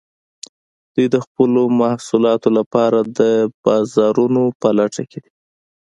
دوی د خپلو محصولاتو لپاره د بازارونو په لټه کې دي